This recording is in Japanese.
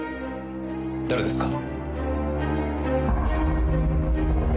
誰ですか？